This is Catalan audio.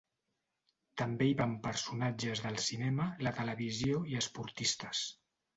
També hi van personatges del cinema, la televisió i esportistes.